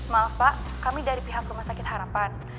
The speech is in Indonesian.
maaf pak kami dari pihak rumah sakit harapan